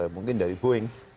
mungkin dari boeing